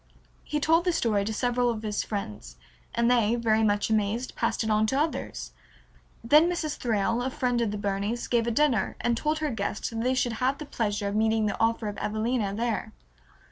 He told the story to several of his friends and they, very much amazed, passed it on to others. Then Mrs. Thrale, a friend of the Burneys, gave a dinner, and told her guests that they should have the pleasure of meeting the author of "Evelina" there.